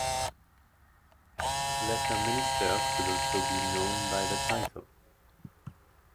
Lesser ministers could also be known by the title.